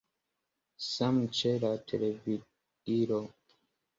Same ĉe la televidilo.